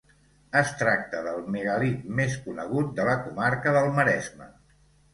Es tracta del megàlit més conegut de la comarca del Maresme.